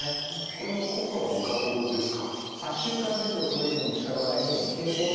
これの効果はいかほどですか？